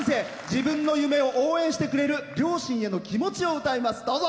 自分の夢を応援してくれる両親への気持ちを歌います。